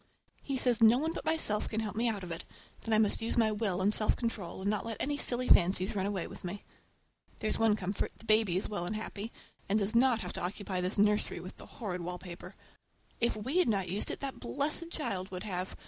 He says no one but myself can help me out of it, that I must use my will and self control and not let any silly fancies run away with me. There's one comfort, the baby is well and happy, and does not have to occupy this nursery with the horrid wallpaper. If we had not used it that blessed child would have!